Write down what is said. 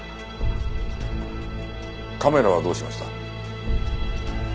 カメラはどうしました？